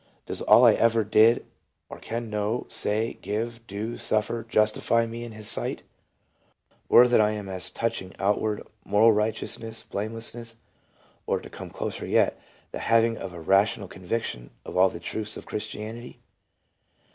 Does all I ever did or can know, say, give, do, suffer, justify me in His sight ? or .... that I am as touching outward, moral righteousness, blame less ? or (to come closer yet) the having a rational conviction of all the truths of Christianity